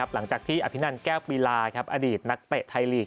หลังจากที่อภินันแก้วปีลาอดีตนักเตะไทยลีก